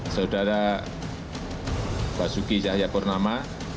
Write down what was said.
saudara basuki cahayakurnama